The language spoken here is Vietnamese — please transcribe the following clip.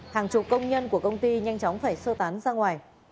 hàng chục công nhân của công ty nhanh chóng phải sơ tán ra ngoài